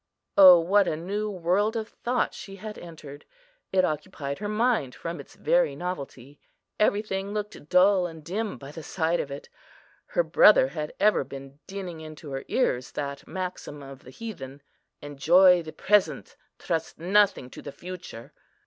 O what a new world of thought she had entered! it occupied her mind from its very novelty. Everything looked dull and dim by the side of it; her brother had ever been dinning into her ears that maxim of the heathen, "Enjoy the present, trust nothing to the future."